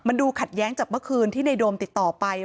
มันดูขัดแย้งจากเมื่อคืนที่ในโดมติดต่อไป